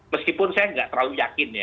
meskipun saya nggak terlalu yakin ya